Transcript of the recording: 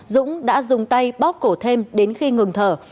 dũng đã dùng tay bóp cổ thêm đến khi ngừng thở